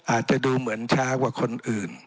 อาจจะดูเหมือนช้ากว่าคนอื่น